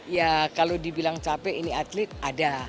ya kalau dibilang capek ini atlet ada